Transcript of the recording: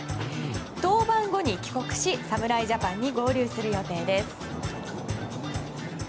登板後に帰国し侍ジャパンに合流する予定です。